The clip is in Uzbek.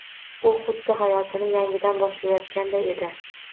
U xuddi hayotini yangidan boshlayotganday edi.